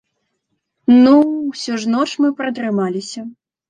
Ну, усё ж ноч мы пратрымаліся.